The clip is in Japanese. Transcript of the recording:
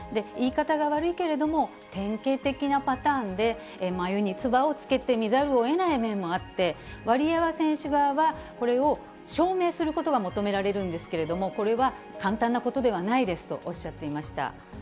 言い方が悪いけれども、典型的なパターンで、眉に唾をつけて見ざるをえない面もあって、ワリエワ選手側はこれを証明することが求められるんですけれども、これは簡単なことではないですとおっしゃっていました。